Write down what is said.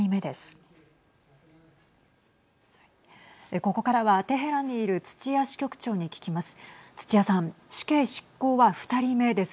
ここからはテヘランにいる土屋支局長に聞きます。